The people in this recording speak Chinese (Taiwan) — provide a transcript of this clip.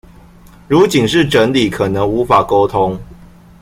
如僅是整理可能無法溝通